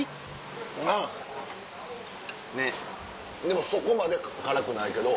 でもそこまで辛くないけど。